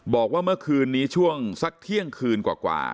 บอกว่าเมื่อคืนนี้ช่วงสักเที่ยงคืนกว่า